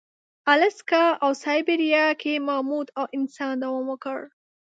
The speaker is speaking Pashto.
الاسکا او سابیریا کې ماموت او انسان دوام وکړ.